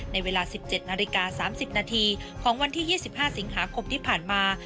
ในเวลา๑๗นาฬิกา๓๐นาทีของวันที่๒๕สิงหาคมที่ผ่านมา